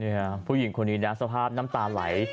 เนี่ยผู้หญิงคนนี้สภาพน้ำตาลไหล